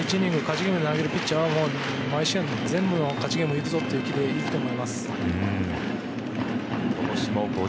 ゲームで投げるピッチャーは毎試合、全部の勝ちゲームでいくぞという気でいると思います。